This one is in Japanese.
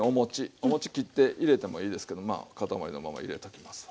お餅切って入れてもいいですけどまあ塊のまま入れときますわ。